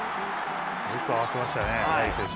よく合わせましたね。